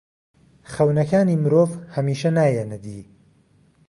خەونەکانی مرۆڤ هەمیشە نایەنە دی.